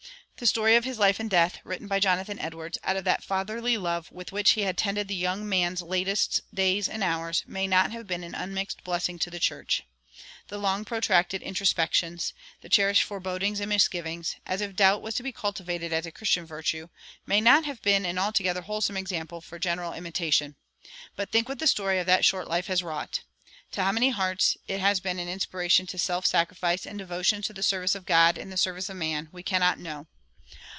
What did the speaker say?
The story of his life and death, written by Jonathan Edwards out of that fatherly love with which he had tended the young man's latest days and hours, may not have been an unmixed blessing to the church. The long protracted introspections, the cherished forebodings and misgivings, as if doubt was to be cultivated as a Christian virtue, may not have been an altogether wholesome example for general imitation. But think what the story of that short life has wrought! To how many hearts it has been an inspiration to self sacrifice and devotion to the service of God in the service of man, we cannot know.